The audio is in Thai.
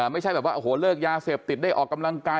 ไม่ใช่แบบเลิกยาเสศพติดได้ออกกำลังกาย